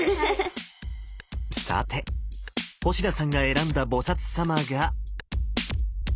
さて星名さんが選んだ菩様が。